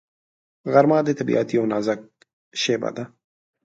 غرمه د طبیعت یو نازک شېبه ده